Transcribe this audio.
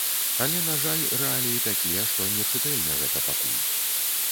Але, на жаль, рэаліі такія, што не чытэльна гэта пакуль.